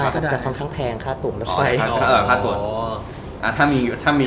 เคยขับกันแล้วใช่มั้ย